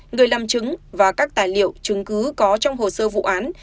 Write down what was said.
người làm chứng và các tài liệu chứng cứ có trong hồ sơ vụ án